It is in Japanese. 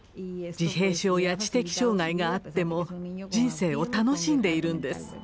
自閉症や知的障害があっても人生を楽しんでいるんです。